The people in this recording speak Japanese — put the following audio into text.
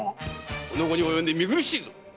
この期に及んで見苦しい！